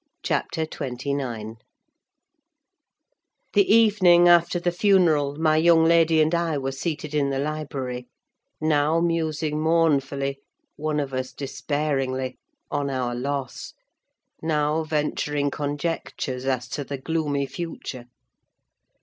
CHAPTER XXIX The evening after the funeral, my young lady and I were seated in the library; now musing mournfully—one of us despairingly—on our loss, now venturing conjectures as to the gloomy future.